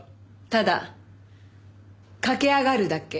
ただ駆け上がるだけ。